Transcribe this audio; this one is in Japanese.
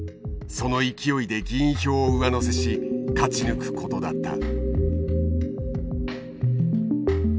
その勢いで議員票を上乗せし勝ち抜くことだった。